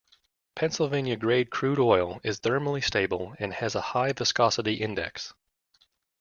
Pennsylvania grade crude oil is thermally stable and has a high viscosity index.